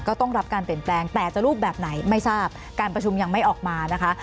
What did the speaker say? ก็ต้องรับการเปลี่ยนแปลงแต่จะรูปแบบไหนไม่ทราบการประชุมยังไม่ออกมานะคะ